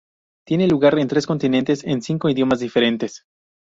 Tiene lugar en tres continentes en cinco idiomas diferentes.